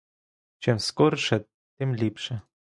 Чим скорше, тим ліпше!